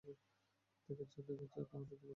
দেখেছো, দেথেছো তোমার দেবরের কতো মর্যাদা?